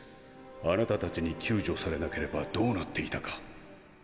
貴方たちに救助されなければどうなっていたか。